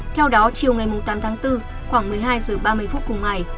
theo đó chiều ngày tám tháng bốn khoảng một mươi hai h ba mươi phút cùng ngày